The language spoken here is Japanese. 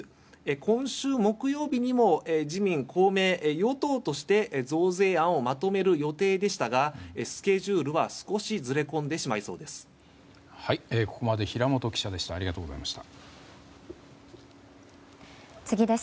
今週木曜日にも自民・公明与党として増税案をまとめる予定でしたがスケジュールは少しずれこんでしまいそうです。